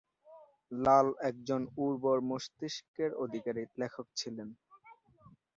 লাল একজন উর্বর মস্তিষ্কের অধিকারী লেখক ছিলেন।